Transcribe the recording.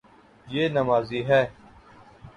یے نمازی ہے